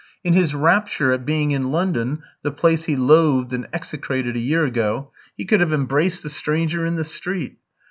In his rapture at being in London, the place he loathed and execrated a year ago, he could have embraced the stranger in the street.